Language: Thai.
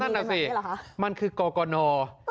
นั่นแหละสิมันคือกอกอนออก